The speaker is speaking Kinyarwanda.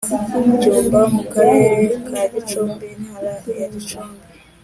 Byumba mu Karere ka Gicumbi Intara ya Gicumbi